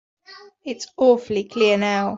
It's awfully clear now.